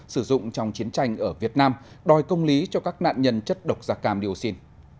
sử dụng trong chiến tranh ở việt nam đòi công lý cho các nạn nhân chất độc da cam dioxin